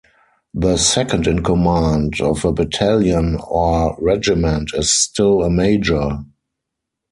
The second-in-command of a battalion or regiment is still a major.